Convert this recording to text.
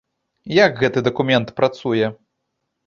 Як гэты дакумент працуе?